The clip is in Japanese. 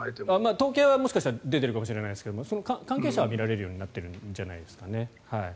統計はもしかしたら出てるかもしれませんが関係者は見られるようになってるんじゃないですかね。